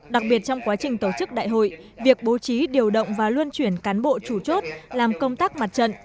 đặc biệt trong quá trình tổ chức đại hội việc bố trí điều động và luân chuyển cán bộ chủ chốt làm công tác mặt trận